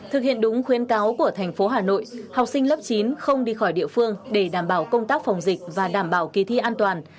thực hiện đúng khuyến cáo của thành phố hà nội học sinh lớp chín không đi khỏi địa phương để đảm bảo công tác phòng dịch và đảm bảo kỳ thi an toàn